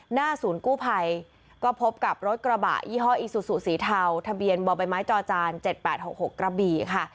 หน้าศูนย์กู้ภัยก็พบกับรถกรบะอีฮอล์อีสูสูสีเทาทะเบียนบ่อใบไม้จอจานเจ็ดแปดหกหกกระบีค่ะ